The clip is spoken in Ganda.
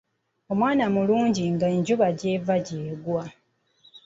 Omwana mulungi nga Enjuba gy'eva gy'egwa.